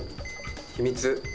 秘密。